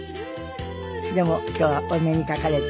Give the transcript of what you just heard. でも今日はお目にかかれて。